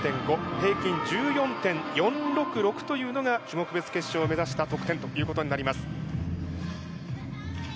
平均１４．４６６というのが種目別決勝を目指した得点ということになります。